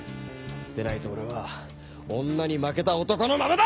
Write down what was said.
でないと俺は女に負けた男のままだ！